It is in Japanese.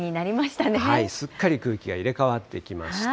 すっかり空気が入れ替わってきました。